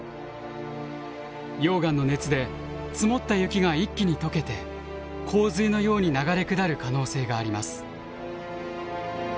溶岩の熱で積もった雪が一気に解けて洪水のように流れ下る可能性があります。